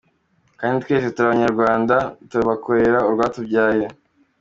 kdi twese turi abanyatwanda tubadukorera urwatubyaye.